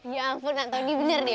ya ampun antoni bener deh